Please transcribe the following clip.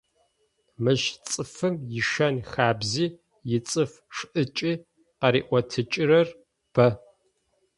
Мыщ цӏыфым ишэн - хабзи, ицӏыф шӏыкӏи къыриӏотыкӏрэр бэ.